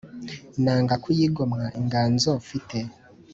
nanga kuyigomwa inganzo mfite